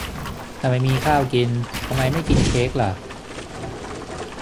ถ้าไม่มีข้าวกิน ทำไมไม่กินเค้กละ